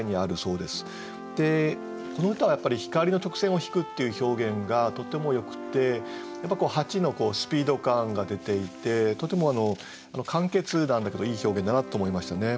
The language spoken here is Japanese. この歌はやっぱり「光の直線をひく」っていう表現がとてもよくて蜂のスピード感が出ていてとても簡潔なんだけどいい表現だなと思いましたね。